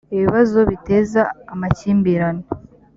ibibazo biteza amakimbirane